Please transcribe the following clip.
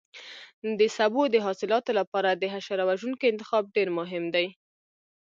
د سبو د حاصلاتو لپاره د حشره وژونکو انتخاب ډېر مهم دی.